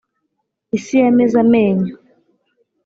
isi yameze amenyo